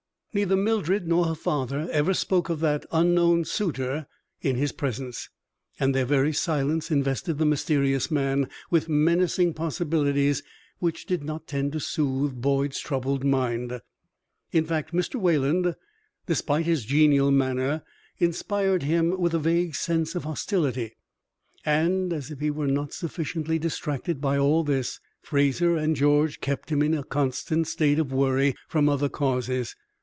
Neither Mildred nor her father ever spoke of that unknown suitor in his presence, and their very silence invested the mysterious man with menacing possibilities which did not tend to soothe Boyd's troubled mind. In fact, Mr. Wayland, despite his genial manner, inspired him with a vague sense of hostility, and, as if he were not sufficiently distracted by all this, Fraser and George kept him in a constant state of worry from other causes.